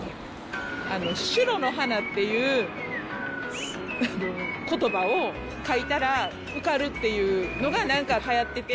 シュロの花っていうことばを書いたら受かるっていうのがなんかはやってて。